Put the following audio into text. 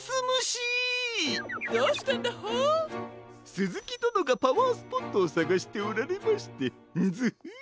すずきどのがパワースポットをさがしておられましてンヅフッ！